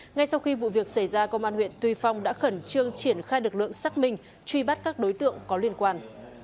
ngay sau khi vụ việc xảy ra công an huyện tuy phong đã khẩn trương triển khai lực lượng xác minh truy bắt các đối tượng có liên quan